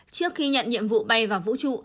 trước khi nhận nhiệm vụ bay vào vũ trụ